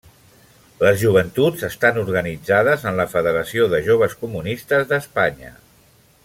Les joventuts estan organitzades en la Federació de Joves Comunistes d'Espanya.